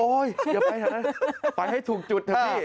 โอ๊ยอย่าไปแทบนะไปให้ถูกจุดเถอะพี่